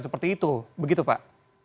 seperti itu begitu pak